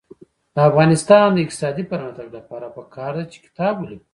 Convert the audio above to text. د افغانستان د اقتصادي پرمختګ لپاره پکار ده چې کتاب ولیکو.